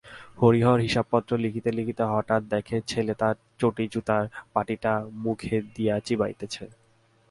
হরিহর হিসাবপত্র লিখিতে লিখিতে হঠাৎ দেখে ছেলে তার চটিজুতার পাটিটা মুখে দিয়া চিবাইতেছে!